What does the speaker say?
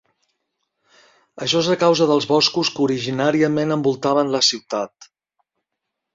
Això és a causa dels boscos que originàriament envoltaven la ciutat.